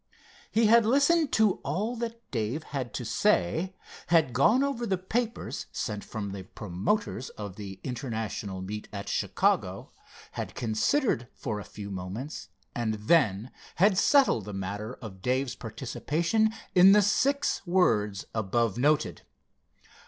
He had listened to all that Dave had to say, had gone over the papers sent from the promoters of the International meet at Chicago, had considered for a few moments, and then had settled the matter of Dave's participation in the six words above noted.